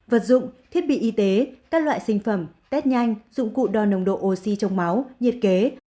vật dụng thiết bị y tế các loại sinh phẩm test nhanh dụng cụ đo nồng độ oxy trong máu nhiệt kế